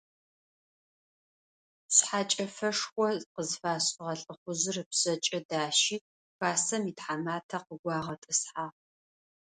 Шъхьэкӏэфэшхо къызфашӏыгъэ лӏыхъужъыр ыпшъэкӏэ дащи хасэм итхьэматэ къыгуагъэтӏысхьагъ.